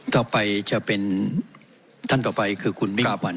ต่อไปจะเป็นท่านต่อไปคือคุณมิ่งขวัญ